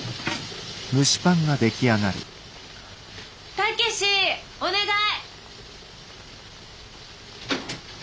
武志お願い！